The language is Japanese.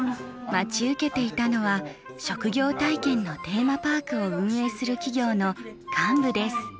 待ち受けていたのは職業体験のテーマパークを運営する企業の幹部です。